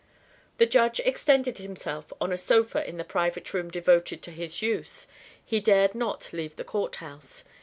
The Judge extended himself on a sofa in the private room devoted to his use; he dared not leave the Courthouse.